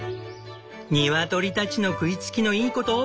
ニワトリたちの食いつきのいいこと！